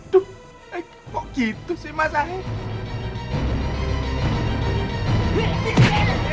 aduh kok begitu sih masahil